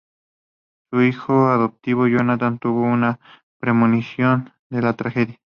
Su hijo adoptivo, Jonathan, tuvo una premonición de la tragedia.